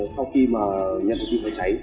sau khi mà nhận được tin về cháy